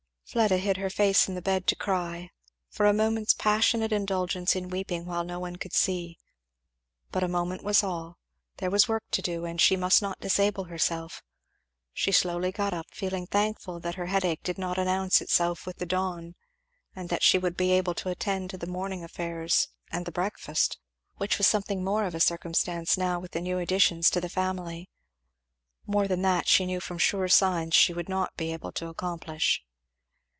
Fleda hid her face in the bed to cry for a moment's passionate indulgence in weeping while no one could see. But a moment was all. There was work to do and she must not disable herself. She slowly got up, feeling thankful that her headache did not announce itself with the dawn, and that she would be able to attend to the morning affairs and the breakfast, which was something more of a circumstance now with the new additions to the family. More than that she knew from sure signs she would not be able to accomplish.